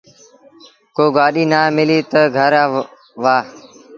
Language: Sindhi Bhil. ڪو گآڏيٚ نا ملي تا گھر وهآن۔